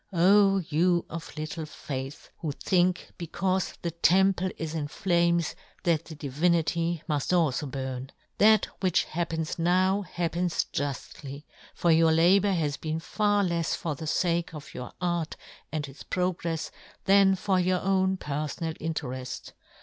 " O you of little " faith, who think becaufe the tem " pie is in flames that the Divinity " mufl alfo burn ! That which hap " pens now happens juflly, for your " labour has been far lefs for the fake John Gutenberg. 87 " of your art, and its progrefs, than " for your own perfonal intereft.